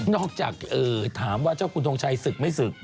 จากถามว่าเจ้าคุณทงชัยศึกไม่ศึก